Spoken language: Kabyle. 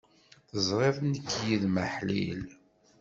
Teẓriḍ nekk yid-m aḥlil.